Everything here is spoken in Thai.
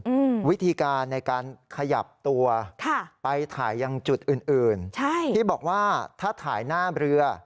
อืมวิธีการในการขยับตัวค่ะไปถ่ายยังจุดอื่นอื่นใช่ที่บอกว่าถ้าถ่ายหน้าเรือ